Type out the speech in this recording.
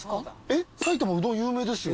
埼玉うどん有名ですよ。